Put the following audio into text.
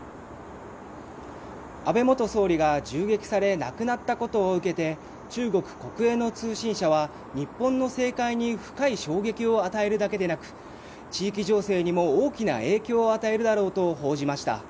安倍元総理が銃撃され亡くなったことを受けて中国国営の通信社は日本の政界に深い衝撃を与えるだけでなく地域情勢にも大きな影響を与えるだろうと報じました。